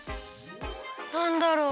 なんだろう？